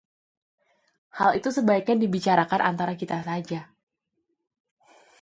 hal itu sebaiknya dibicarakan antara kita saja